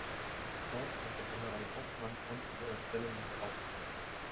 Korps unter General Hofmann konnten ihre Stellungen behaupten.